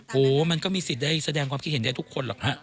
โหมันก็มีสิทธิ์ได้แสดงความคิดเห็นได้ทุกคนหรอกฮะ